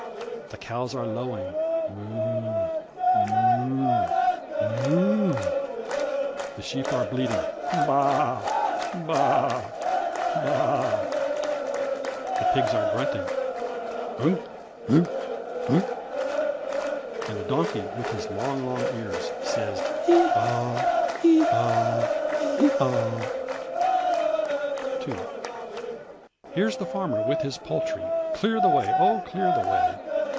The cows are lowing "Moo, moo, moo!" The sheep are bleating "Baa, baa, baa!" The pigs are grunting "Ugh, ugh, ugh!" And the donkey, with the long, long ears, Says "Hee haw, hee haw, hee haw!" II Here's the farmer with his poultry, Clear the way, oh! clear the way!